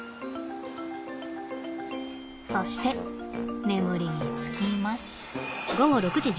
そして眠りにつきます。